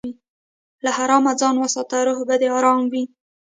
له حرامه ځان وساته، روح به دې ارام وي.